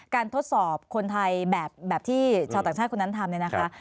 การทดสอบคนไทยแบบที่ชาวต่างชาติคนนั้นทำ